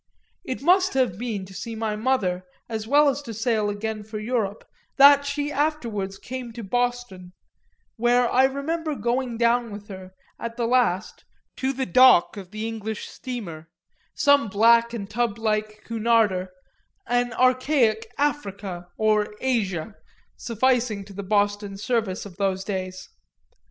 It must have been to see my mother, as well as to sail again for Europe, that she afterwards came to Boston, where I remember going down with her, at the last, to the dock of the English steamer, some black and tub like Cunarder, an archaic "Africa" or "Asia" sufficing to the Boston service of those days.